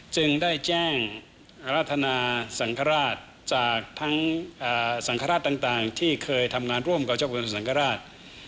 จึงได้แจ้งอรัฐนาสังฆราชจากทั้งสังฆราชต่างที่เคยทำงานร่วมกับเจ้าพระสังฆราช